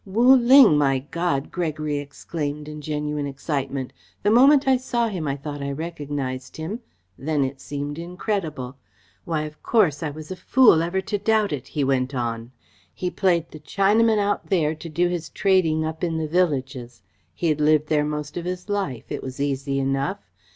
"Wu Ling, my God!" Gregory exclaimed, in genuine excitement. "The moment I saw him I thought I recognised him. Then it seemed incredible. Why, of course I was a fool ever to doubt it," he went on. "He played the Chinaman out there to do his trading up in the villages. He had lived there most of his life. It was easy enough.